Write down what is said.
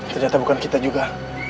ternyata bukan kita juga